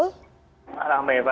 selamat malam mbak eva